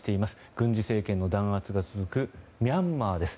軍事政権の弾圧が続くミャンマーです。